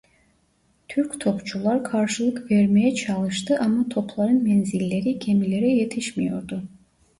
Türk topçular karşılık vermeye çalıştı ama topların menzilleri gemilere yetişmiyordu.